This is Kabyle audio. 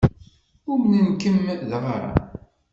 Umnen-kem dɣa?